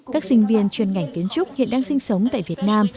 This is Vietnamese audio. các sinh viên chuyên ngành kiến trúc hiện đang sinh sống tại việt nam